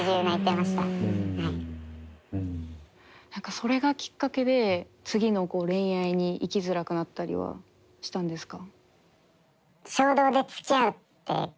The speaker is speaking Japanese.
それがきっかけで次の恋愛にいきづらくなったりはしたんですか？